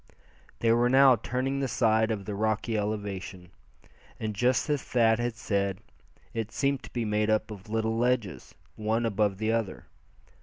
They were now turning the side of the rocky elevation. And just as Thad had said, it seemed to be made up of little ledges, one above the other.